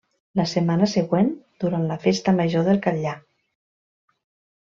La setmana següent, durant la Festa Major del Catllar.